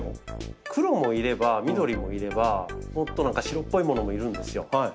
黒もいれば緑もいれば白っぽいものもいるんですよ。